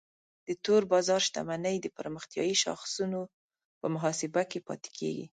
د تور بازار شتمنۍ د پرمختیایي شاخصونو په محاسبه کې پاتې کیږي.